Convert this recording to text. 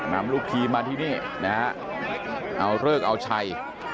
นำลูกทีมมาที่นี่นะฮะเอาเลิกเอาชัย